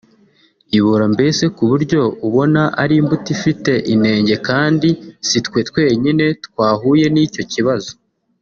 ibora mbese ku buryo ubona ari imbuto ifite inenge kandi sitwe twenyine twahuye n’icyo kibazo